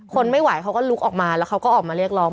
คนไม่ไหวเขาก็ลุกออกมาแล้วเขาก็ออกมาเรียกร้อง